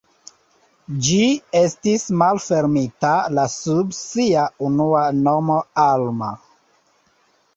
Ĝi estis malfermita la sub sia unua nomo Alma.